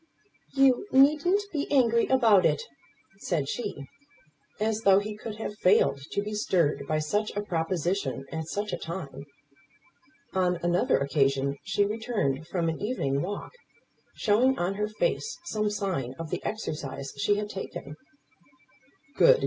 "You needn't be angry about it," said she; as though he could have failed to be stirred by such a proposition at such a time. On another occasion she returned from an evening walk, showing on her face some sign of the exercise she had taken. "Good G